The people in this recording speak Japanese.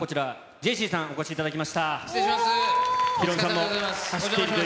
ジェシーさんにお越しいただきました。